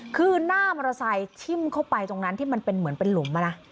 คือหน้ามอเตอร์ไซค์ชิมเข้าไปตรงนั้นที่มันเป็นเหมือนเป็นหลุม